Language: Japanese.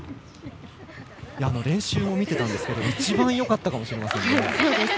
練習を見ていたんですが一番よかったかもしれませんね。